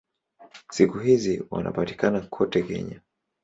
Siku hizi wanapatikana kote Kenya.